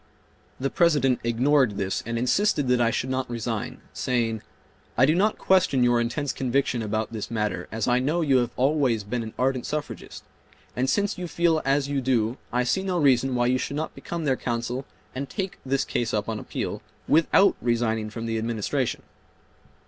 The President ignored this and insisted that I should not resign, saying, "I do not question your intense conviction about this matter as I know you have always been an ardent suffragist; and since you feel as you do I see no reason why you should not become their counsel and take this case up on appeal without resigning from the Administration."